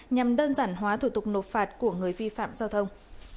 nhằm đơn giản hóa thủ tục nộp phạt của người vi phạm giao thông